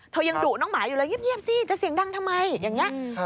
ยังดุน้องหมาอยู่เลยเงียบสิจะเสียงดังทำไมอย่างนี้